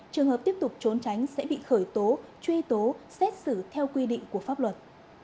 trường hợp tiếp tục trốn tránh sẽ bị khởi tố truy tố xét xử theo quy định của pháp luật